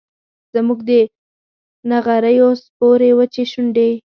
زموږ د نغریو سپورې وچې شونډي